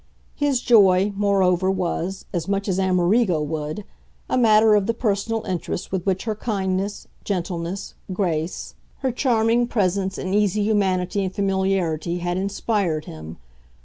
His joy, moreover, was as much as Amerigo would! a matter of the personal interest with which her kindness, gentleness, grace, her charming presence and easy humanity and familiarity, had inspired him.